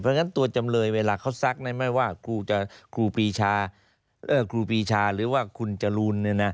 เพราะฉะนั้นตัวจำเลยเวลาเขาซักไม่ว่าครูปีชาครูปีชาหรือว่าคุณจรูน